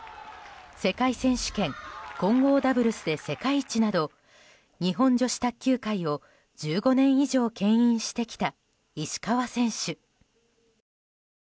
世界選手権混合ダブルスで世界一など日本女子卓球界を１５年以上牽引してきた石川選手。